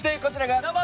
どうも！